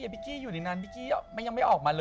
บูนไหน